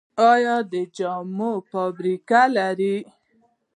آیا د جامو فابریکې لرو؟